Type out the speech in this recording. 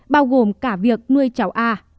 bao gồm cả việc nuôi cháu a